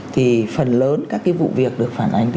thì phần lớn các vụ việc được phản ánh